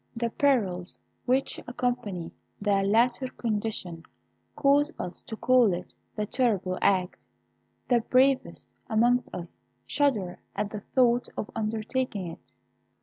The perils which accompany the latter condition cause us to call it the Terrible Act. The bravest amongst us shudder at the thought of undertaking it.